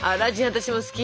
私も好き。